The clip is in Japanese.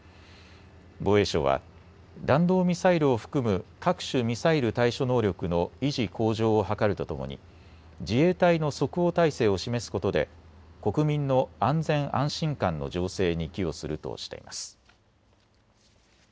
防衛省は弾道ミサイルを含む各種ミサイル対処能力の維持・向上を図るとともに、自衛隊の即応態勢を示すことで国民の安全・安心感の醸成に寄与するとしています。